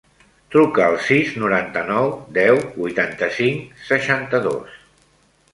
Truca al sis, noranta-nou, deu, vuitanta-cinc, seixanta-dos.